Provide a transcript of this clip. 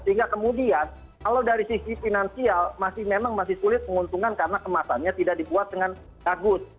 sehingga kemudian kalau dari sisi finansial memang masih sulit menguntungkan karena kemasannya tidak dibuat dengan bagus